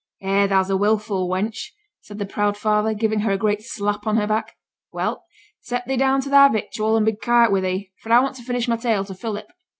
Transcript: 'Eh! thou's a wilfu' wench,' said the proud father, giving her a great slap on her back. 'Well! set thee down to thy victual, and be quiet wi' thee, for I want to finish my tale to Philip.